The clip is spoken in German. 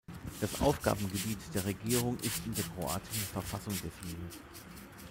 Das Aufgabengebiet der Regierung ist in der kroatischen Verfassung definiert.